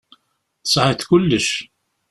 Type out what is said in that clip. Tesεiḍ kullec.